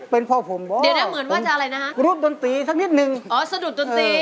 เป็นเพราะผมเหรอรูปดนตรีสักนิดหนึ่งเดี๋ยวนี้เหมือนว่าจะอะไรนะครับ